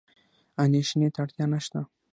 اندېښنې ته اړتیا نشته.